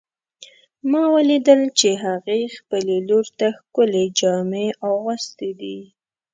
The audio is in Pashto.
ما ولیدل چې هغې خپل لور ته ښکلې جامې اغوستې دي